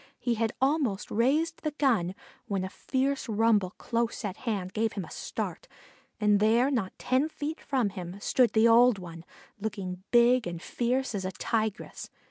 He had almost raised the gun when a fierce rumble close at hand gave him a start, and there, not ten feet from him, stood the old one, looking big and fierce as a Tigress.